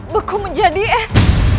beku menjadi es